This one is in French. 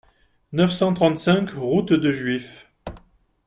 neuf cent trente-cinq route de Juif